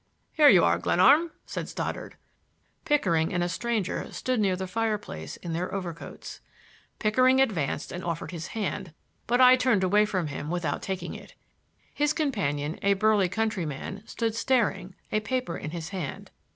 "Here you are, Glenarm," said Stoddard. Pickering and a stranger stood near the fireplace in their overcoats. Pickering advanced and offered his hand, but I turned away from him without taking it. His companion, a burly countryman, stood staring, a paper in his hand.